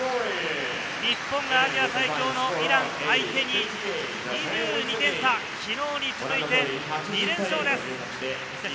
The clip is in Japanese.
日本がアジア最強のイラン相手に２２点差、昨日に続いて２連勝です。